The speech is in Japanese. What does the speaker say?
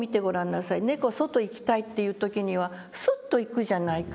猫は外へ行きたいっていう時にはスッと行くじゃないか」